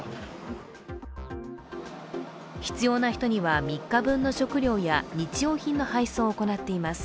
必要な人には３日分の食料や日用品の配送を行っています。